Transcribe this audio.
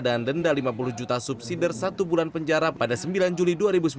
dan denda lima puluh juta subsidi dari satu bulan penjara pada sembilan juli dua ribu sembilan belas